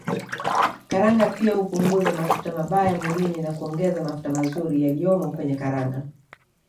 Karanga pia hupunguza mafuta mabaya mwilini na kuongeza mafuta mazuri yaliyomo kwenye karanga